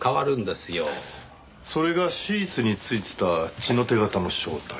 それがシーツに付いてた血の手形の正体。